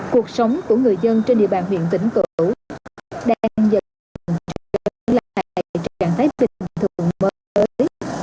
cuộc sống của người dân trên địa bàn huyện tỉnh cửu đang dần trở lại trạng thái bình thường mới